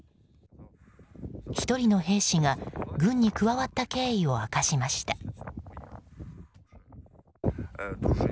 １人の兵士が軍に加わった経緯を明かしました。